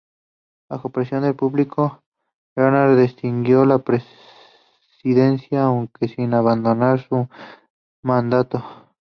Bajo presión del público, Renan desistió de la presidencia, aunque sin abandonar el mandato.